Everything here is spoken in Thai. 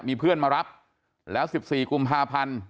มีเพื่อนมารับแล้วสิบสี่กุมภาพันธุ์